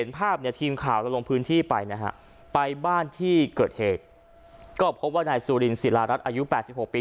ไปนะฮะไปบ้านที่เกิดเหตุก็พบว่านายสุรินสิรารัสอายุแปดสิบหกปี